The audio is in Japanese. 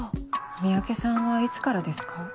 三宅さんはいつからですか？